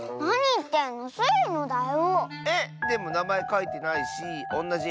えっでもなまえかいてないしおんなじ